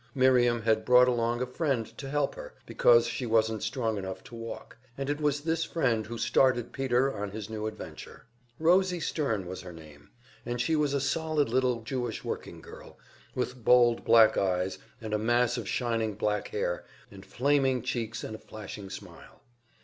Miriam had brought along a friend to help her, because she wasn't strong enough to walk; and it was this friend who started Peter on his new adventure. Rosie Stern was her name, and she was a solid little Jewish working girl, with bold black eyes, and a mass of shining black hair, and flaming cheeks and a flashing smile.